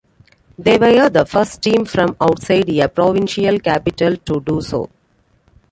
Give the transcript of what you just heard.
They were the first team from outside a provincial capital to do so.